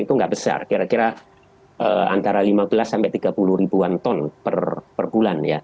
itu nggak besar kira kira antara lima belas sampai tiga puluh ribuan ton per bulan ya